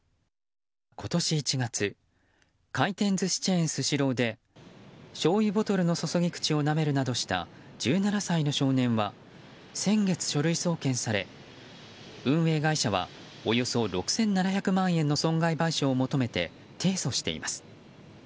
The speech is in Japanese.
今年１月回転寿司チェーン、スシローでしょうゆボトルの注ぎ口を舐めるなどした１７歳の少年は先月、書類送検され運営会社はおよそ６７００万円の損害賠償を求めて提訴しています。